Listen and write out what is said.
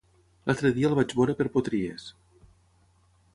L'altre dia el vaig veure per Potries.